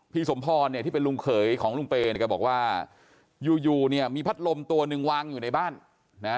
สมพรเนี่ยที่เป็นลุงเขยของลุงเปย์เนี่ยแกบอกว่าอยู่อยู่เนี่ยมีพัดลมตัวหนึ่งวางอยู่ในบ้านนะ